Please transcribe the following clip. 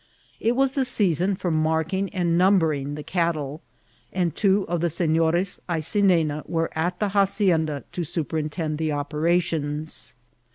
It was the season for marking and number ing the cattle, and two of the Senores Aycinena were at the hacienda to superintend the operations.